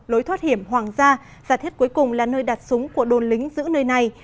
lối thoát hiểm hoàng gia giả thiết cuối cùng là nơi đặt súng của đồn lính giữ nơi này